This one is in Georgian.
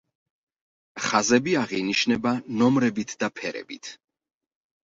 ხაზები აღინიშნება ნომრებით და ფერებით.